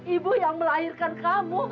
ibu yang melahirkan kamu